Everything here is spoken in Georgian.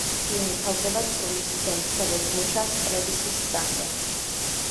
ფილმი მთავრდება სროლის სცენით, სადაც მოჩანს ტრევისის სახე.